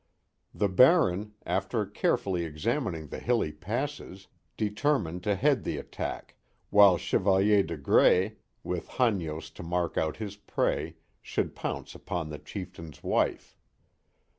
The baron, after carefully examining the hilly passes, de termined to head the attack, while Chevalier de Grais, with Hanyost to mark out his prey, should pounce upon the chief tain's wife.